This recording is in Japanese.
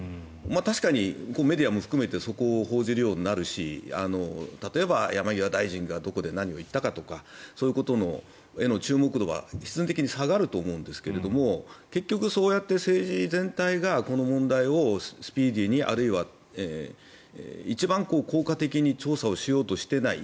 確かにメディアも含めてそこを報じるようになるし例えば山際大臣がどこで何を言ったかとかそういうことへの注目度は必然的に下がると思うんですが結局、そうやって政治全体がこの問題をスピーディーにあるいは一番効果的に調査をしようとしていない。